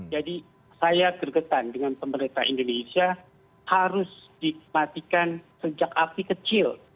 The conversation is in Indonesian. jadi saya gergetan dengan pemerintah indonesia harus dimatikan sejak api kecil